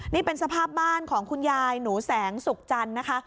นี่เป็นสภาพบ้านของคุณยายหนูแสงสุขจันทร์นะคะ